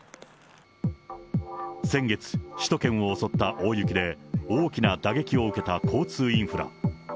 先月、首都圏を襲った大雪で大きな打撃を受けた、交通インフラ。